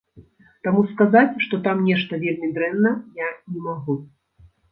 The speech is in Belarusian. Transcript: Таму сказаць, што там нешта вельмі дрэнна, я не магу.